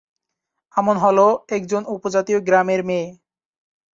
আমন হলো একজন উপজাতীয় গ্রামের মেয়ে।